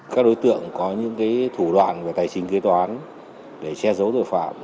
các đối tượng có những thủ đoạn về tài chính kế toán để che giấu tội phạm